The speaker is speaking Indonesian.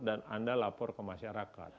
dan anda lapor ke masyarakat